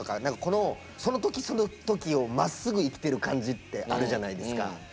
なんかこのその時その時をまっすぐ生きてる感じってあるじゃないですか。